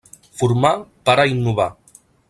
Formar para innovar.